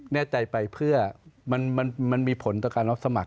แน่ใจไปเพื่อมันมีผลต่อการรับสมัคร